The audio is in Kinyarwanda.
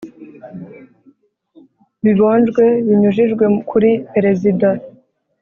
bibonjwe binyujijwe kuri perezida